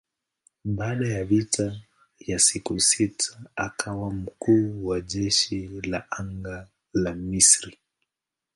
Baada ya vita ya siku sita akawa mkuu wa jeshi la anga la Misri.